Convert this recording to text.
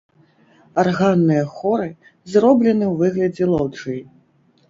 Арганныя хоры зроблены ў выглядзе лоджыі.